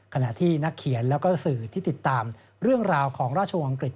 ขณะที่นักเขียนแล้วก็สื่อที่ติดตามเรื่องราวของราชวงอังกฤษ